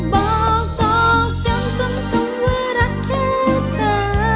บอกต่อจำสมสมว่ารักแค่เธอ